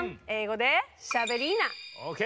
ＯＫ